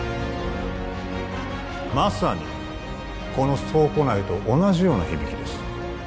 まさにこの倉庫内と同じような響きです